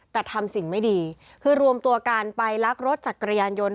แต่ทำสิ่งไม่ดีคือรวมตัวกันไปลักรถจักรยานยนต์